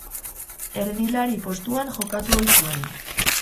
Erdilari postuan jokatu ohi zuen.